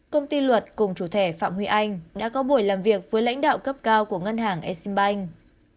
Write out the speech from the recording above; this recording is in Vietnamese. công ty luật cùng chủ thẻ phạm huy anh đã có buổi làm việc với lãnh đạo cấp cao của ngân hàng exim bank